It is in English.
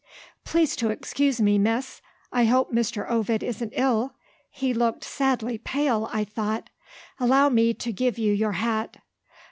"Please to excuse me, Miss; I hope Mr. Ovid isn't ill? He looked sadly pale, I thought. Allow me to give you your hat."